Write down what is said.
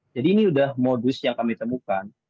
jadi ini sudah modus yang kami temukan